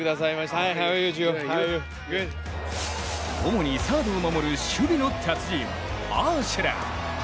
主にサードを守る守備の達人、アーシェラ。